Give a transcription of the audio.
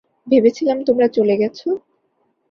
ভেবেছিলাম তোমরা চলে গেছো।